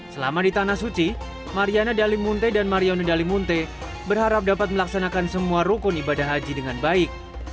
selama di tanah suci mariana dalimunte dan mariono dalimunte berharap dapat melaksanakan semua rukun ibadah haji dengan baik